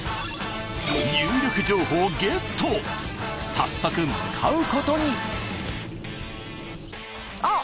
早速向かうことに。